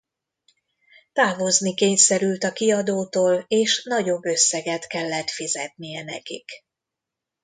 Távozni kényszerült a kiadótól és nagyobb összeget kellett fizetnie nekik.